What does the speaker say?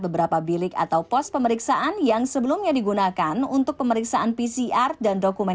beberapa bilik atau pos pemeriksaan yang sebelumnya digunakan untuk pemeriksaan pcr dan dokumen